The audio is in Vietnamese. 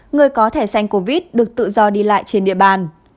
người có thẻ xanh covid được tự do đi lại trên địa bàn